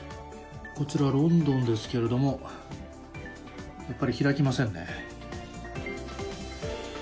こちらロンドンですけれどもやっぱり開きませんね。